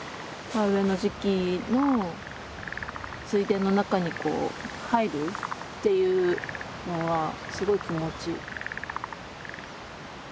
田植えの時期の水田の中に入るっていうのはすごい気持ちいい。